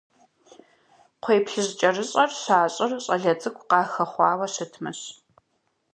КхъуейплъыжькӀэрыщӀэр щащӀыр щӀалэ цӀыкӀу къахэхъуауэ щытмэщ.